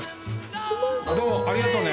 どうもありがとうね。